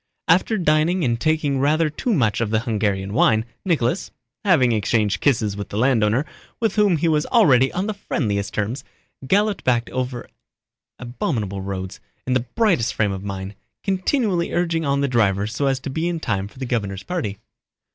After dining and taking rather too much of the Hungarian wine, Nicholas—having exchanged kisses with the landowner, with whom he was already on the friendliest terms—galloped back over abominable roads, in the brightest frame of mind, continually urging on the driver so as to be in time for the governor's party.